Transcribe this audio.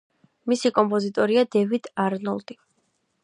მისი კომპოზიტორია დევიდ არნოლდი.